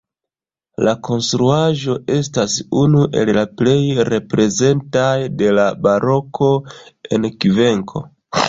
La konstruaĵo estas unu el la plej reprezentaj de la baroko en Kvenko.